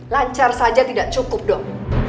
lancar saja tidak cukup dok